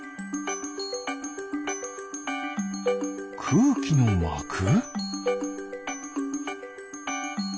くうきのまく？